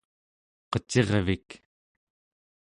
qecirvik